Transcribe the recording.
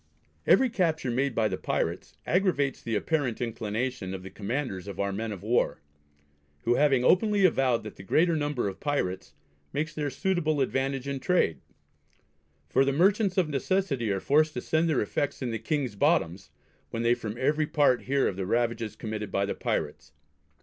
Every capture made by the pirates aggravates the apparent inclinations of the Commanders of our men of war; who having openly avowed that the greater number of pirates makes their suitable advantage in trade; for the Merchants of necessity are forced to send their effects in the King's bottoms, when they from every part hear of the ravages committed by the pirates.